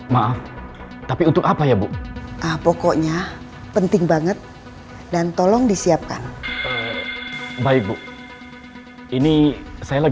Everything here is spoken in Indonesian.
maaf tapi untuk apa ya bu pokoknya penting banget dan tolong disiapkan bayi bu ini saya lebih